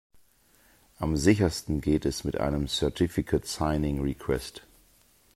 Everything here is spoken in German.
Am sichersten geht es mit einem Certificate Signing Request.